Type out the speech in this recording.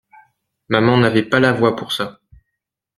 Maman n'avait pas la voix pour ça.